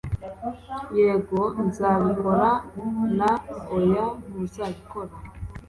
Yego nzabikora na oya ntuzabikora